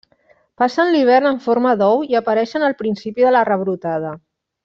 Passen l'hivern en forma d'ou i apareixen al principi de la rebrotada.